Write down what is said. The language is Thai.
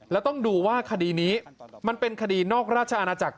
แล้วต้องดูว่าคดีนี้มันเป็นคดีนอกราชอาณาจักร